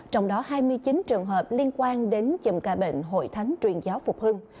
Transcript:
trong đó hai mươi chín trường hợp liên quan đến chùm ca bệnh hội thánh truyền giáo phục hưng